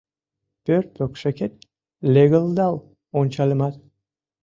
Пӧрт покшекет легылдал ончальымат -